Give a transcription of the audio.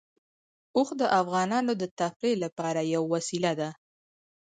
اوښ د افغانانو د تفریح لپاره یوه وسیله ده.